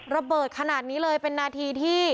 ระเบิดขนาดนี้เลยเป็นนาทีที่